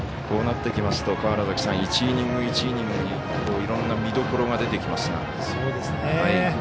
こうなってきますと１イニング１イニングにいろんな見どころが出てきますが。